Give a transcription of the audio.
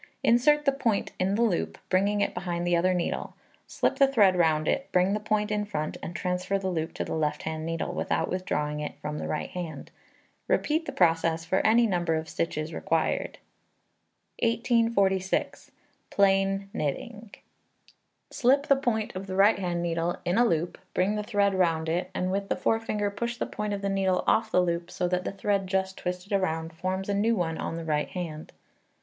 Insert the point in the loop, bringing it behind the other needle, slip the thread round it, bring the point in front, and transfer the loop to the left hand needle without withdrawing it from the right hand. Repeat the process for any number of stitches required. 1846. Plain Knitting. Slip the point of the right hand needle in a loop, bring the thread round it, and with the forefinger push the point of the needle off the loop so that the thread just twisted round forms a new one on the right hand.